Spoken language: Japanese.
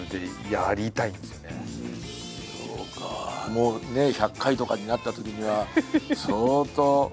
もうね１００回とかになったときには相当ね。